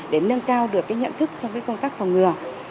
để nâng cao được cái nhận thức trong cái công tác phòng ngừa